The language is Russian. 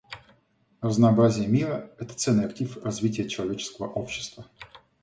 Разнообразие мира — это ценный актив развития человеческого общества.